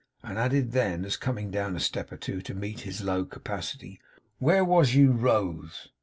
and added then, as coming down a step or two to meet his low capacity, 'Where was you rose?